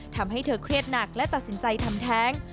ทำให้เธอเครียดหนักและตัดสินใจทำแท้ง